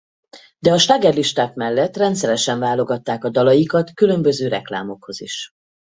De a slágerlisták mellett rendszeresen válogatták a dalaikat különböző reklámokhoz is.